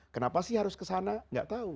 kenapa sih harus kesana gak tau